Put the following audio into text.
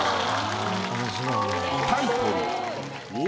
タイトル。